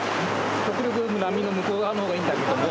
極力、波の向こう側のほうがいいんだけども。